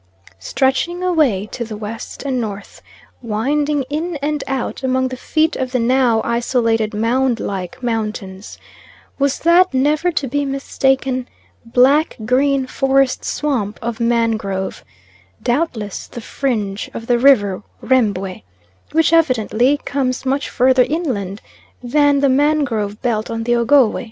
Stretching away to the west and north, winding in and out among the feet of the now isolated mound like mountains, was that never to be mistaken black green forest swamp of mangrove; doubtless the fringe of the River Rembwe, which evidently comes much further inland than the mangrove belt on the Ogowe.